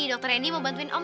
dokter eni mau bantuin om